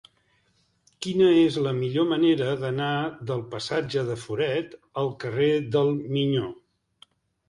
Quina és la millor manera d'anar del passatge de Foret al carrer del Miño?